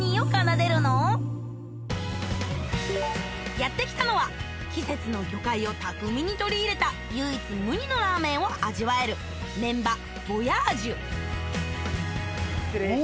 やって来たのは季節の魚介を巧みに取り入れた唯一無二のラーメンを味わえる麺場ｖｏｙａｇｅ失礼します。